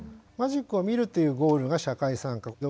マジックを見るというゴールが社会参加。